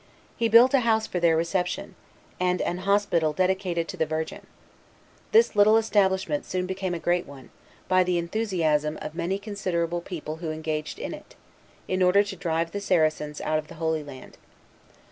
He built a house for their reception, and an hospital dedicated to the Virgin. This little establishment soon became a great one, by the enthusiasm of many considerable people who engaged in it, in order to drive the Saracens out of the Holy Land.